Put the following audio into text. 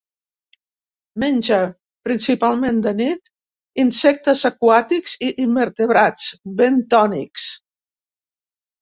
Menja, principalment de nit, insectes aquàtics i invertebrats bentònics.